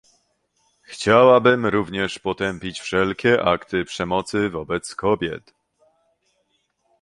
Chciałabym również potępić wszelkie akty przemocy wobec kobiet